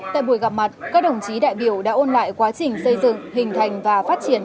tại buổi gặp mặt các đồng chí đại biểu đã ôn lại quá trình xây dựng hình thành và phát triển